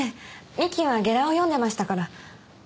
三木はゲラを読んでましたから。